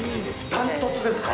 ◆断トツですか？